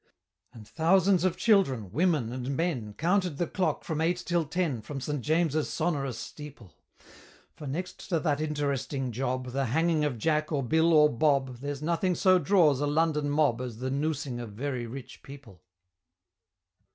And thousands of children, women, and men, Counted the clock from eight till ten, From St. James's sonorous steeple; For next to that interesting job, The hanging of Jack, or Bill, or Bob, There's nothing so draws a London mob As the noosing of very rich people.